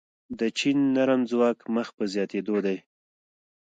د چین نرم ځواک مخ په زیاتیدو دی.